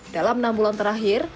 dalam enam bulan terakhir